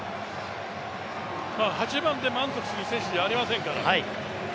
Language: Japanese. ８番で満足する選手じゃありませんから。